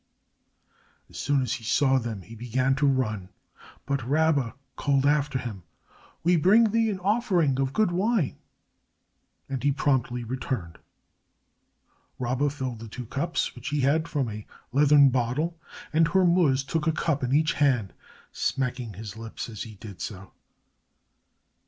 As soon as he saw them he began to run, but Rabba called after him, "We bring thee an offering of good wine," and he promptly returned. Rabba filled the two cups which he had from a leathern bottle, and Hormuz took a cup in each hand, smacking his lips as he did so.